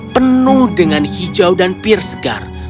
penuh dengan hijau dan pir segar